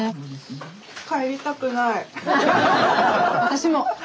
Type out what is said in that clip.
私も！